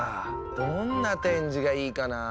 どんな展示がいいかな。